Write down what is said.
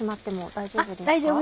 大丈夫です